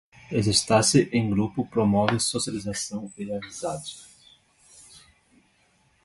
Exercitar-se em grupo promove socialização e amizade.